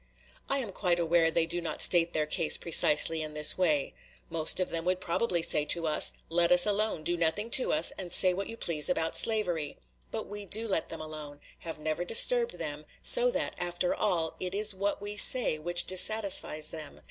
I am quite aware they do not state their case precisely in this way. Most of them would probably say to us, "Let us alone, do nothing to us, and say what you please about slavery." But we do let them alone have never disturbed them; so that, after all, it is what we say which dissatisfies them.